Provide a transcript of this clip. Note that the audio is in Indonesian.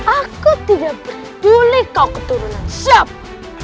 aku tidak peduli kau keturunan siap